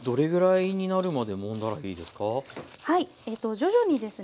徐々にですね